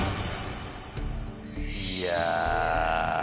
いや。